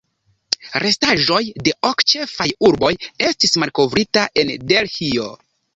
Restaĵoj de ok ĉefaj urboj estis malkovrita en Delhio.